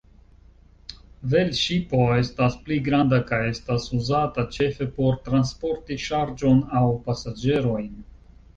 Velŝipo estas pli granda kaj estas uzata ĉefe por transporti ŝarĝon aŭ pasaĝerojn.